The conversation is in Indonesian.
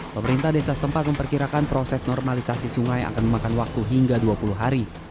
pemerintah desa setempat memperkirakan proses normalisasi sungai akan memakan waktu hingga dua puluh hari